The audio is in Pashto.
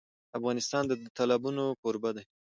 افغانستان د تالابونه کوربه دی.